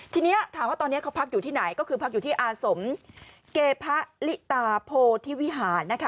ทีนี้ถามว่าตอนนี้เขาพักอยู่ที่ไหนก็คือพักอยู่ที่อาสมเกพะลิตาโพธิวิหารนะคะ